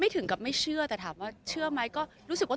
บางทีเค้าแค่อยากดึงเค้าต้องการอะไรจับเราไหล่ลูกหรือยังไง